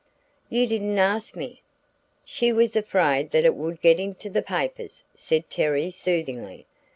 "You didn't ask me." "She was afraid that it would get into the papers," said Terry, soothingly.